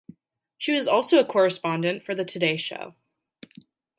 She was also a correspondent for the "Today Show".